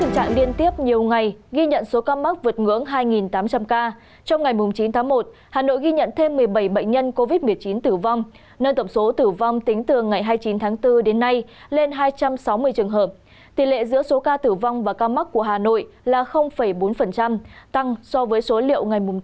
các bạn hãy đăng ký kênh để ủng hộ kênh của chúng mình nhé